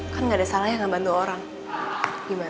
kan nggak ada salahnya nggak bantu orang gimana